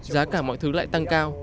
giá cả mọi thứ lại tăng cao